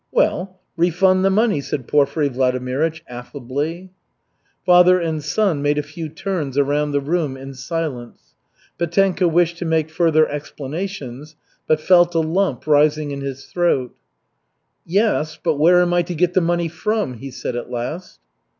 "Well, refund the money," said Porfiry Vladimirych affably. Father and son made a few turns around the room in silence. Petenka wished to make further explanations, but felt a lump rising in his throat. "Yes, but where am I to get the money from?" he said at last.